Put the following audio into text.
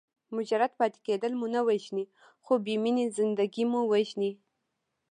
مجرد پاتې کېدل مو نه وژني خو بې مینې زندګي مو وژني.